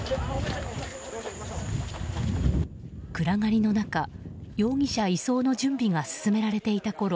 暗がりの中、容疑者移送の準備が進められていたころ